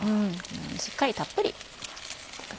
しっかりたっぷり。